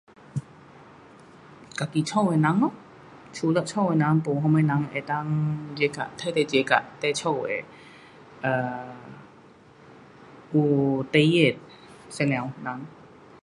自己家的人咯，除了家的人，没什么人能够 jaga, 那个 jaga 你家的 um 有带孕的妇女人。